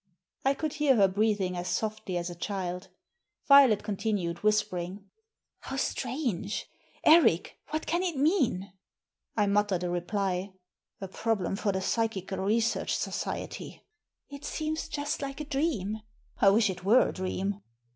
I could hear her breathing as softly as a child Violet continued whispering —" How strange ! Eric, what can it mean ?'* I muttered a reply —" A problem for the Psychical Research Society." It seems just like a dream." " I wish it were a dream."